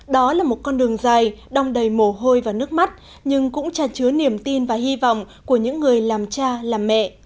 đó là một con đường dài đong đầy mồ hôi và nước mắt nhưng cũng tràn chứa niềm tin và hy vọng của những người làm cha làm mẹ